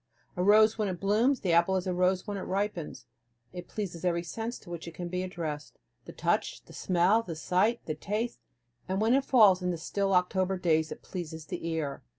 A rose when it blooms, the apple is a rose when it ripens. It pleases every sense to which it can be addressed, the touch, the smell, the sight, the taste; and when it falls in the still October days it pleases the ear.